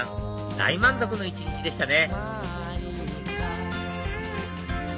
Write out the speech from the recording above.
大満足の一日でしたね